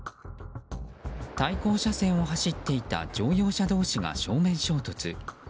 対向車線を走っていた乗用車同士が正面衝突。